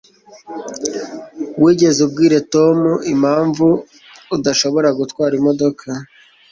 Wigeze ubwira Tom impamvu udashobora gutwara imodoka?